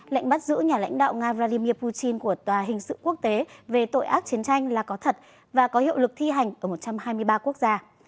lệnh bắt giữ nhà lãnh đạo nga vladimir putin của tòa hình sự quốc tế về tội ác chiến tranh là có thật và có hiệu lực thi hành ở một trăm hai mươi ba quốc gia